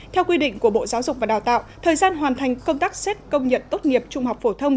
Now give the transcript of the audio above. theo quy định của bộ giáo dục và đào tạo thời gian hoàn thành công tác xét công nhận tốt nghiệp trung học phổ thông